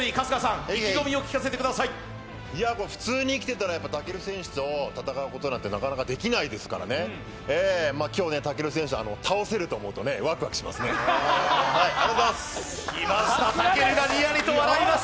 普通に生きてたら武尊選手と戦うことなんてできないですから今日武尊選手倒せると思うと、ワクワクしますね、ありがとうございます！